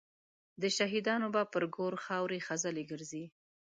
د شهیدانو به پر ګور خاوري خزلي ګرځي